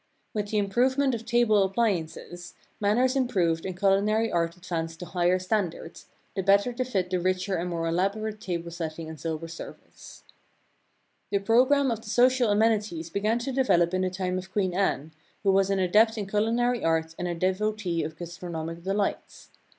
With the improvement of table appliances, manners improved and culinary art advanced to higher standards, the better to fit the richer and more elaborate tablesetting and silver service. The Coffee pot Queen Anne period. Sets ivell on the table [2 4 ] The program of the social amenities began to de velop in the time of Queen Anne, who was an adept in culinary art and a devotee of gastronomic delights.